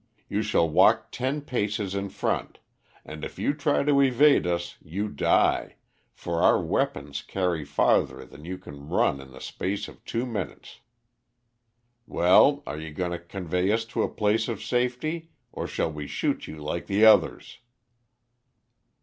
You shall walk ten paces in front, and if you try to evade us you die, for our weapons carry farther than you can run in the space of two minutes. Well, are you going to convey us to a place of safety, or shall we shoot you like the others?'"